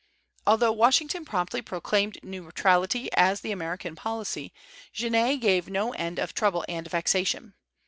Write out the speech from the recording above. Although Washington promptly proclaimed neutrality as the American policy, Genet gave no end of trouble and vexation.